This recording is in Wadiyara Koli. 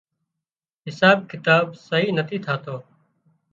حساب ڪتاب سئي نٿي ٿاتو